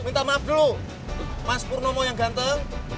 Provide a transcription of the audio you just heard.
minta maaf dulu mas purnomo yang ganteng